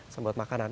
dan buat makanan